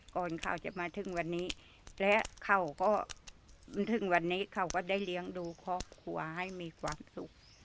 ก่อนเขาจะมาถึงวันนี้และเขาก็ถึงวันนี้เขาก็ได้เลี้ยงดูครอบครัวให้มีความสุข